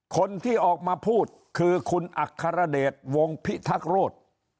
คนที่ออกมาพูดคือคุณอัครเดชวงพิทักโรธ